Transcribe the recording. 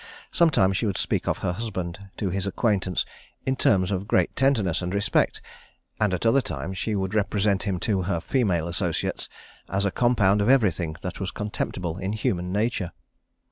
Sometimes she would speak of her husband, to his acquaintance, in terms of great tenderness and respect; and at other times she would represent him to her female associates as a compound of everything that was contemptible in human nature.